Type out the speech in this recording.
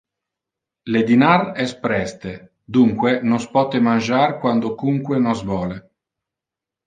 Le dinar es preste, dunque nos pote mangiar quandocunque nos vole.